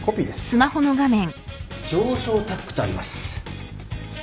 「常勝タッグ」とあります。